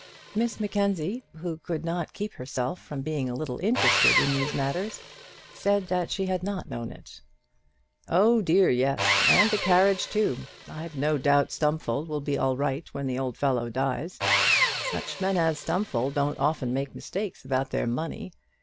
Miss Mackenzie, who could not keep herself from being a little interested in these matters, said that she had not known it. "Oh dear, yes! and the carriage too. I've no doubt Stumfold will be all right when the old fellow dies. Such men as Stumfold don't often make mistakes about their money.